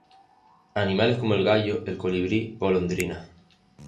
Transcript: Animales como el gallo, el colibrí, golondrinas.